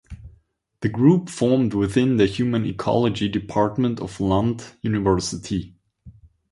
The group formed within the human ecology department of Lund University.